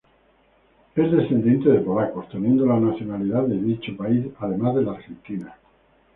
Es descendiente de polacos, teniendo la nacionalidad de dicho país, además de la argentina.